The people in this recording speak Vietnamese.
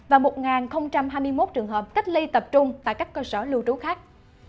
và một hai mươi một trường hợp cách ly tập trung tại các cơ sở lưu trú khác